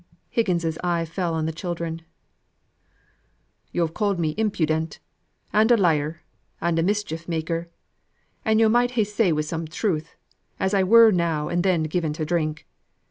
Higgins's eye fell on the children. "Yo've called me impudent, and a liar, and a mischief maker, and yo' might ha' said wi' some truth, as I were now and then given to drink.